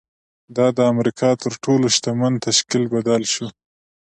دا د امریکا تر تر ټولو شتمن تشکیل بدل شو